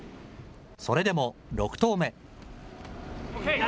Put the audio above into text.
それでも６投目。